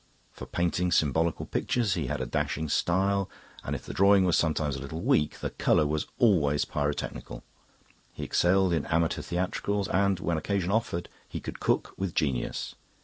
For painting symbolical pictures he had a dashing style, and if the drawing was sometimes a little weak, the colour was always pyrotechnical. He excelled in amateur theatricals and, when occasion offered, he could cook with genius.